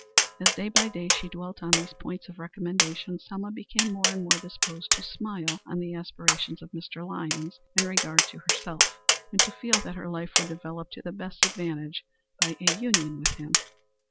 As day by day she dwelt on these points of recommendation, Selma became more and more disposed to smile on the aspirations of Mr. Lyons in regard to herself, and to feel that her life would develop to the best advantage by a union with him.